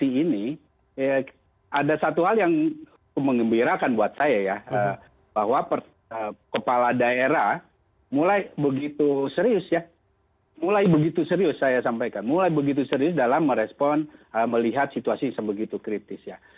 ini ada satu hal yang mengembirakan buat saya ya bahwa kepala daerah mulai begitu serius ya mulai begitu serius saya sampaikan mulai begitu serius dalam merespon melihat situasi sebegitu kritis ya